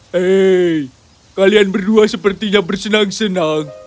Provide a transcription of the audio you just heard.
hei kalian berdua sepertinya bersenang senang